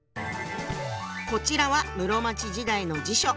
こちらは室町時代の辞書。